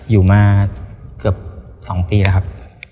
อยู่มาเกือบ๒ปีแล้วครับ